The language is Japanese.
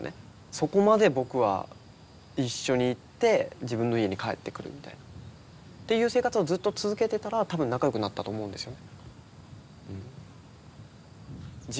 そこまで僕は一緒に行って自分の家に帰ってくるみたいなっていう生活をずっと続けてたら多分仲良くなったと思うんですよね。